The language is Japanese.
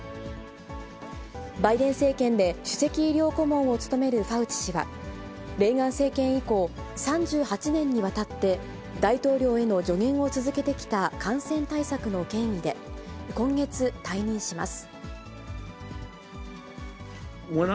バイデン政権で首席医療顧問を務めるファウチ氏は、レーガン政権以降、３８年にわたって大統領への助言を続けてきた感染対策の権威で、今月退任します。